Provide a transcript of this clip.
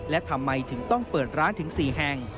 และทำไมถึงต้องเปิดร้านถึง๔แห่ง